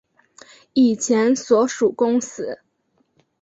以前所属公司